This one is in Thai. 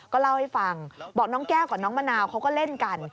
ก็เล่าให้ฟังบอกน้องแก้วกับน้องมะนาวเขาก็เล่นกัน